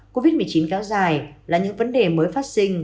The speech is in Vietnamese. covid một mươi chín kéo dài là những vấn đề mới phát sinh